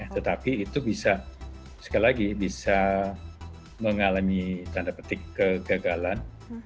tetapi itu bisa sekali lagi bisa mengalami tanda petik kegagalan